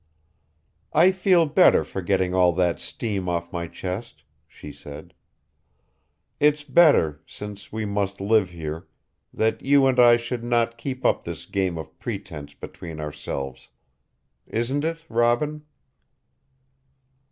"I feel better for getting all that steam off my chest," she said. "It's better, since we must live here, that you and I should not keep up this game of pretence between ourselves. Isn't it, Robin?"